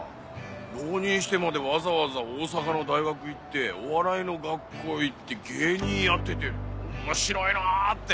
浪人してまでわざわざ大阪の大学行ってお笑いの学校行って芸人やってて面白いなぁって。